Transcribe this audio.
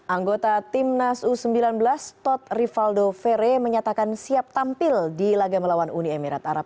anggota timnas u sembilan belas tod rivaldo fere menyatakan siap tampil di laga melawan uni emirat arab